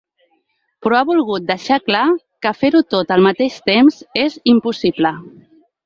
Però ha volgut deixar clar que fer-ho tot al mateix temps és impossible.